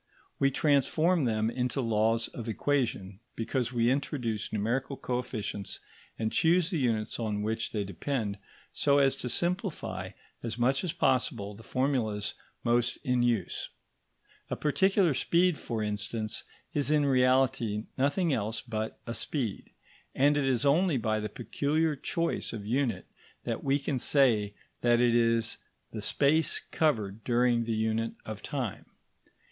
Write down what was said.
We transform them into laws of equation, because we introduce numerical coefficients and choose the units on which they depend so as to simplify as much as possible the formulas most in use. A particular speed, for instance, is in reality nothing else but a speed, and it is only by the peculiar choice of unit that we can say that it is the space covered during the unit of time.